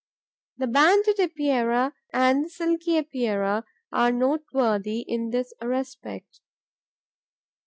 The Banded Epeira and the Silky Epeira are noteworthy in this respect.